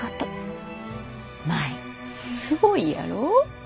舞すごいやろ？